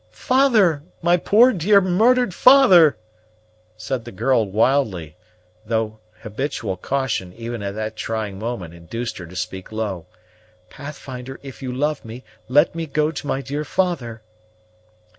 "Father! my poor, dear, murdered father!" said the girl wildly, though habitual caution, even at that trying moment, induced her to speak low. "Pathfinder, if you love me, let me go to my dear father."